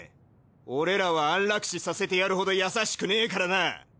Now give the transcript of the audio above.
俺らは安楽死させてやるほど優しくねえからな。